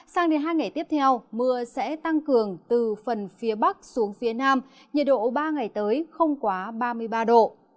sang đến hai ngày tiếp theo mưa sẽ tăng cường từ phần phía bắc xuống phía nam nhiệt độ ba ngày tới không quá ba mươi ba độ